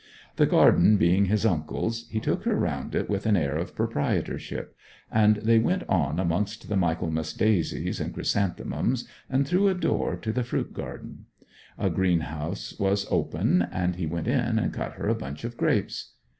The garden being his uncle's, he took her round it with an air of proprietorship; and they went on amongst the Michaelmas daisies and chrysanthemums, and through a door to the fruit garden. A green house was open, and he went in and cut her a bunch of grapes.